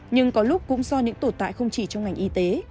nhưng có lúc cũng do những tồn tại không chỉ trong ngành y tế